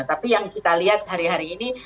tapi yang kita lihat hari hari ini